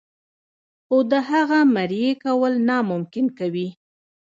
خو د هغه مريي کول ناممکن کوي.